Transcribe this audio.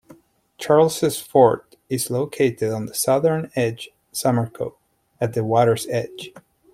Charles's Fort is located on the southern edge Summercove, at the water's edge.